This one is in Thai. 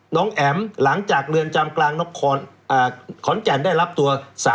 แอ๋มหลังจากเรือนจำกลางขอนแก่นได้รับตัว